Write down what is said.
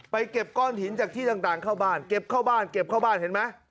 เก็บก้อนหินจากที่ต่างเข้าบ้านเก็บเข้าบ้านเก็บเข้าบ้านเห็นไหม